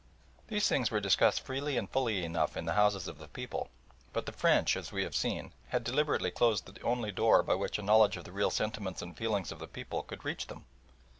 These things were discussed freely and fully enough in the houses of the people, but the French, as we have seen, had deliberately closed the only door by which a knowledge of the real sentiments and feelings of the people could reach them.